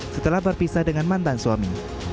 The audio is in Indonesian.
setelah berpisah dengan mantan suami